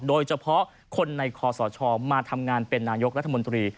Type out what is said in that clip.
โดยเฉพาะคนในคอสชมาทำงานเป็นนายกรัฐมนตรี